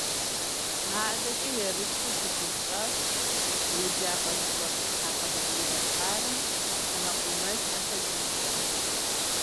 Адэкӏэ ерыщу щыпищащ еджапӏэ зыщӏэтӏысхьа Къэбэрдей-Балъкъэр мэкъумэш академием.